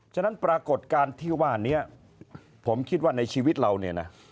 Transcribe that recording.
ฉะนั้นปรากฏการณ์ที่ว่านี้ผมคิดว่าในชีวิตเราเนี่ยนะ